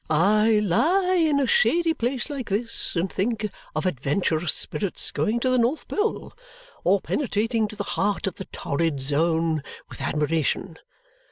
I lie in a shady place like this and think of adventurous spirits going to the North Pole or penetrating to the heart of the Torrid Zone with admiration.